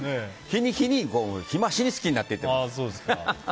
日に日に日増しに好きになってます。